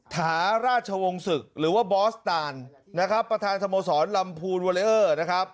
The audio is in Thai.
ทหาราชวงศ์ศึกษ์หรือว่าบอสตานประธานสมสรรค์ลำพูลวอเลอร์